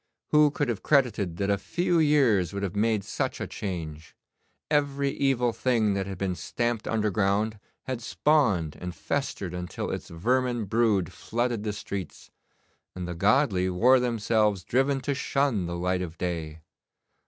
Who could have credited that a few years would have made such a change? Every evil thing that had been stamped underground had spawned and festered until its vermin brood flooded the streets, and the godly wore themselves driven to shun the light of day.